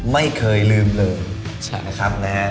ไม่เคยลืมเลยนะครับนะฮะ